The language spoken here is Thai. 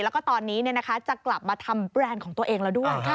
แล้วก็ตอนนี้จะกลับมาทำแบรนด์ของตัวเองแล้วด้วย